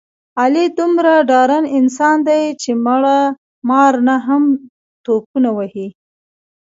علي دومره ډارن انسان دی، چې مړه مار نه هم ټوپونه وهي.